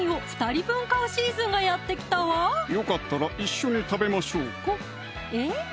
よかったら一緒に食べましょうかえっ？